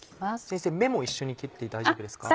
先生芽も一緒に切って大丈夫ですか？